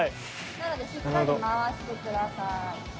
なのでしっかり回してください。